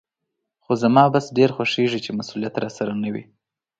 خو زما بس ډېر خوښېږي چې مسولیت راسره نه وي.